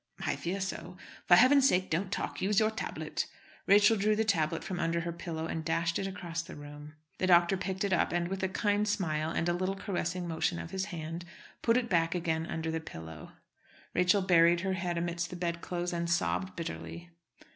"I fear so. For heaven's sake don't talk; use your tablet." Rachel drew the tablet from under her pillow and dashed it across the room. The doctor picked it up, and, with a kind smile and a little caressing motion of his hand, put it again back under the pillow. Rachel buried her head amidst the bedclothes and sobbed bitterly.